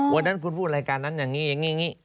วันนั้นคุณพูดรายการนั้นอย่างนี้อย่างนี้